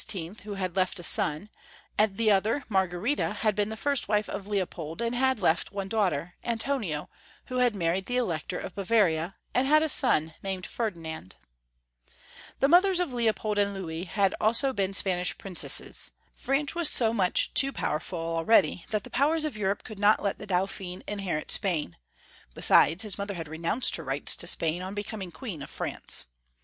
who had left a son ; the other, Margarita, had been the first wife of Leopold, and had left one daughter, Antonio, who had married the Elector of Bavaria, and had a son named Ferdinand. FRIEDRICU I., KING OF PRUSSIA (CORONATION). Leopold I. 871 The mothers of Leopold and Louis had also been Spanish princesses. France was so much too powerful already that the powera of Europe could not let the Daupliin inherit Spain — besides, his mother had renounced her rights to Spain on be coming Queen of France.